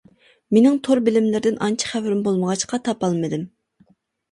مېنىڭ تور بىلىملىرىدىن ئانچە خەۋىرىم بولمىغاچقا تاپالمىدىم.